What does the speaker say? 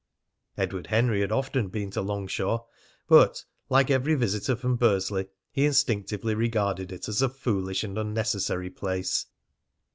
Edward Henry had often been to Longshaw, but, like every visitor from Bursley, he instinctively regarded it as a foolish and unnecessary place.